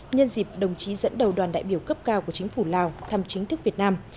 nhân dịp đồng chí dẫn đầu đoàn đại biểu cấp cao của chính phủ lào thăm chính thức việt nam